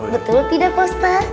betul tidak pak ustadz